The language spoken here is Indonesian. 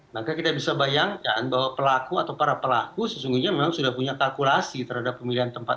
maka kita bisa bayangkan bahwa pelaku atau para pelaku sesungguhnya memang sudah punya kalkulasi terhadap pemilihan tempat itu